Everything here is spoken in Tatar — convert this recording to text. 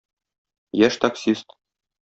Яшь таксист.